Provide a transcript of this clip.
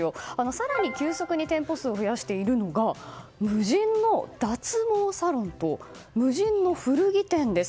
更に急速に店舗数を増やしているのが無人の脱毛サロンと無人の古着店です。